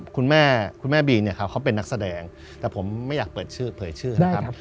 คุณแม่คุณแม่บีเนี่ยครับเขาเป็นนักแสดงแต่ผมไม่อยากเปิดชื่อเผยชื่อนะครับ